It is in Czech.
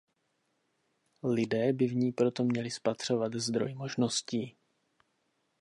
Lidé by v ní proto měli spatřovat zdroj možností.